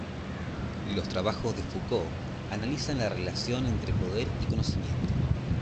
Los trabajos de Foucault analizan la relación entre poder y conocimiento.